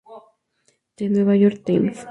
The New York Times.